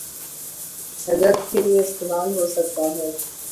مدد کے لیے استعمال ہو سکتا ہے